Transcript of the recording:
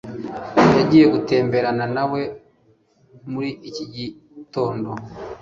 Yagiye gutemberana nawe muri iki gitondo.